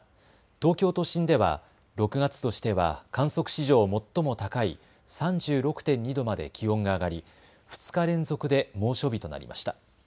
東京都心では６月としては観測史上最も高い３６．２度まで気温が上がり２日連続で猛暑日となりました。